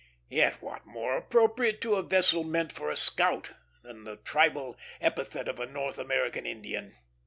Yet what more appropriate to a vessel meant for a scout than the tribal epithet of a North American Indian!